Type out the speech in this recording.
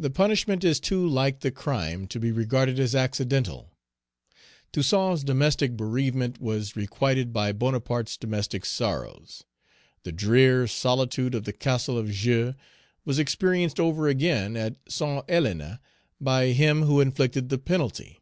The punishment is too like the crime to be regarded as accidental. Toussaint's domestic bereavement was requited by Bonaparte's domestic sorrows. The drear solitude of the Castle of Joux was experienced over again at Saint Helena by him who inflicted the penalty.